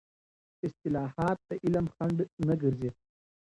اصطلاحات د علم خنډ نه ګرځي.